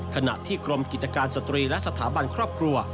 ขณะที่กรมกิจการสตรีและสถาบันครอบครัว